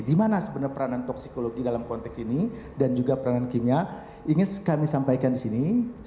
di mana sebenarnya peranan toksikologi dalam konteks ini dan juga peranan kimia ingin kami sampaikan di sini